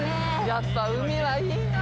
やっぱ海はいいな。